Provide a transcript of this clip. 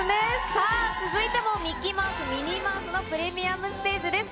さあ、続いてもミッキーマウス、ミニーマウスのプレミアムステージです。